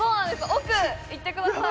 奥行ってください